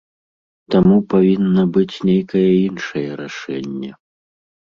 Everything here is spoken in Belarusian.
Таму павінна быць нейкае іншае рашэнне.